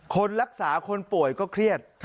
คนรักษาคนป่วยก็เครียด